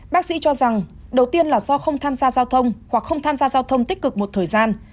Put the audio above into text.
bác sĩ cho rằng đầu tiên là do không tham gia giao thông hoặc không tham gia giao thông tích cực một thời gian